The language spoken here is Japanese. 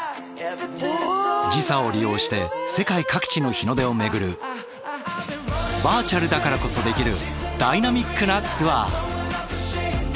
時差を利用して世界各地の日の出を巡るバーチャルだからこそできるダイナミックなツアー！